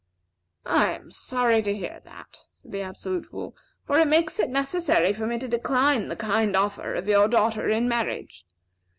"I am sorry to hear that," said the Absolute Fool; "for it makes it necessary for me to decline the kind offer of your daughter in marriage.